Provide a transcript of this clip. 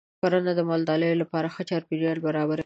کرنه د مالدارۍ لپاره ښه چاپېریال برابروي.